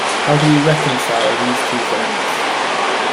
How do we reconcile these two things?